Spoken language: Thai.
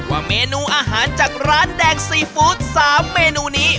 ว่าเมนูอาหารจากร้านแดงซีฟู้ด๓เมนูนี้